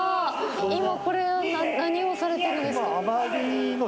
今、これは何をされてるんですか。